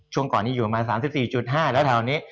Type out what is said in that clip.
ก่อนนี้อยู่ประมาณ๓๔๕แล้วแถวนี้